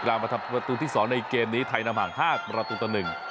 มาทำประตูที่๒ในเกมนี้ไทยนำห่าง๕ประตูต่อ๑